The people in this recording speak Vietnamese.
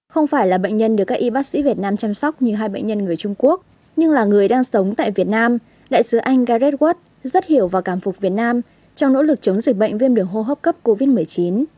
không phải là bệnh nhân được các y bác sĩ việt nam chăm sóc như hai bệnh nhân người trung quốc nhưng là người đang sống tại việt nam đại sứ anh gareth watt rất hiểu và cảm phục việt nam trong nỗ lực chống dịch bệnh viêm đường hô hấp cấp covid một mươi chín